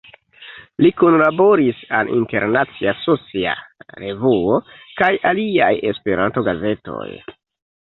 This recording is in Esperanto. Li kunlaboris al "Internacia Socia Revuo" kaj aliaj Esperanto-gazetoj.